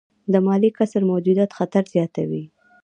د مالي کسر موجودیت خطر زیاتوي.